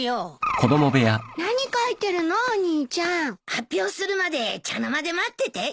発表するまで茶の間で待ってて。